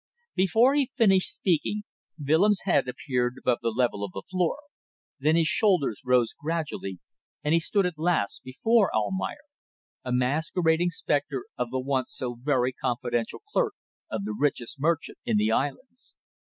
Before he finished speaking Willems' head appeared above the level of the floor, then his shoulders rose gradually and he stood at last before Almayer a masquerading spectre of the once so very confidential clerk of the richest merchant in the islands.